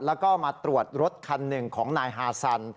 แล้วก็มาตรวจรถคันหนึ่งของนายฮาซัน